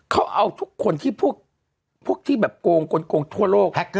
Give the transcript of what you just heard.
เขาเอาทุกคนที่โงงคนโกงทั่วโลก